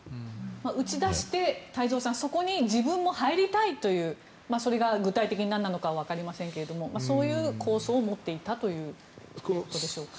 打ち出してそこに自分も入りたいというそれが具体的になんなのかはわかりませんがそういう構想を持っていたということでしょうか。